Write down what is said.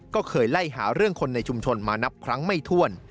ก็เคยไล่หาเรื่องคนในชุมชนมานับครั้งไม่ถ้วน